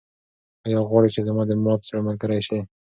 ایا غواړې چې زما د مات زړه ملګرې شې؟